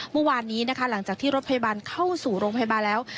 เมื่อวานนี้นะคะหลังจากที่รถพยาบาลเข้าสู่โรงพยาบาลแล้ว